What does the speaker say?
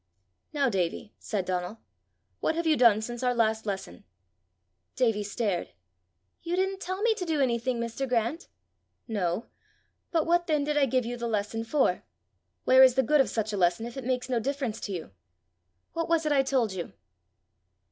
"Now, Davie," said Donal, "what have you done since our last lesson?" Davie stared. "You didn't tell me to do anything, Mr. Grant!" "No; but what then did I give you the lesson for? Where is the good of such a lesson if it makes no difference to you! What was it I told you?"